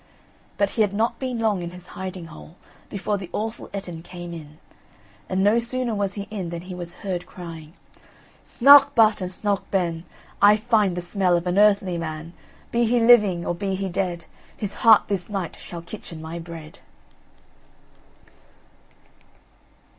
But he had not been long in his hiding hole, before the awful Ettin came in; and no sooner was he in, than he was heard crying: "Snouk but and snouk ben, I find the smell of an earthly man, Be he living, or be he dead, His heart this night shall kitchen my bread."